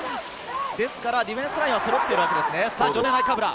ディフェンスラインはそろっているわけですね。